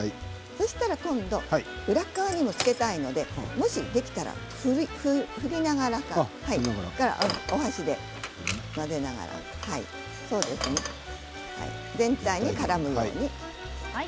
裏側にもつけたいのでできたら振りながらお箸で混ぜながら全体にからむように。